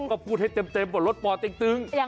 ก็พูดให้เต็มว่ารถปอติ้ง